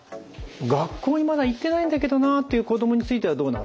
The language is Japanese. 学校にまだ行ってないんだけどなっていう子どもについてはどうなのか見ていきます。